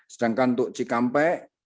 sedangkan untuk cikampek